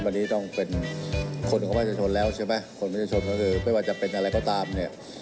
วันนี้ต้องเป็นคนของประชาชนแล้วใช่ไหมคนประชาชนก็คือไม่ว่าจะเป็นอะไรก็ตามเนี่ย